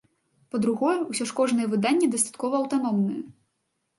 Па-другое, усё ж кожнае выданне дастаткова аўтаномнае.